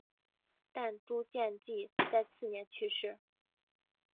但朱见济在次年去世。